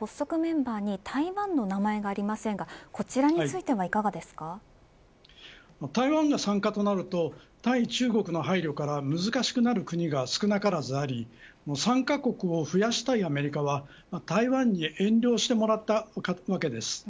発足メンバーに台湾の名前がありませんが台湾が参加となると対中国の配慮から難しくなる国が少なからずあり参加国を増やしたいアメリカは台湾に遠慮してもらったわけです。